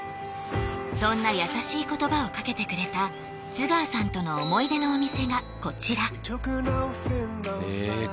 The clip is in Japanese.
そんな優しい言葉をかけてくれた津川さんとの思い出のお店がこちらええ